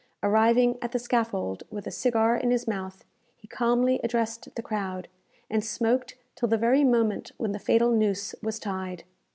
Arriving at the scaffold with a cigar in his mouth, he calmly addressed the crowd, and smoked till the very moment when the fatal noose was tied.